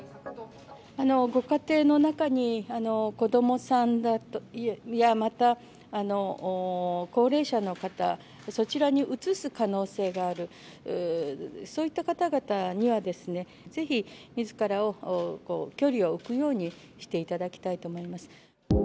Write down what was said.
ご家庭の中に、子どもさんやまた高齢者の方、そちらにうつす可能性がある、そういった方々には、ぜひみずからを距離を置くようにしていただきたいと思います。